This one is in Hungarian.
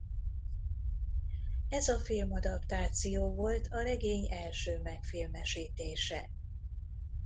Ez a filmadaptáció volt a regény első megfilmesítése.